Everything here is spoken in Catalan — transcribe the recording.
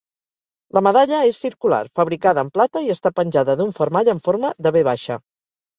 La medalla és circular, fabricada en plata i està penjada d'un fermall amb forma de V.